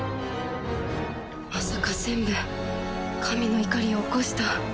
まさか全部神の怒りを起こした。